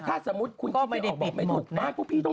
ถ้าสมมุติคุณคิดได้ออกบอกไม่ถูกนะ